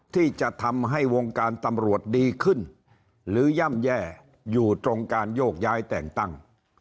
ที่จะทำให้วงการตำรวจดีขึ้นหรือย่ำแย่อยู่ตรงการโยกย้ายแต่งตั้ง